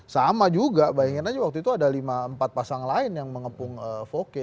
sama juga bayangin aja waktu itu ada empat pasang lain yang mengepung voke